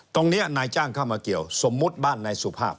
นายจ้างเข้ามาเกี่ยวสมมุติบ้านนายสุภาพ